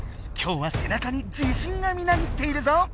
今日は背中に自信がみなぎっているぞ！